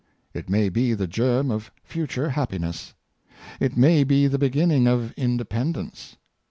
It may be the germ of future happiness. It may be the beginning of independence.